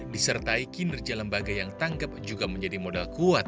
disertai kinerja lembaga yang tangkep juga menjadi modal kuat